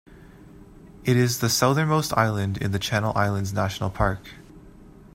It is the southern-most island in the Channel Islands National Park.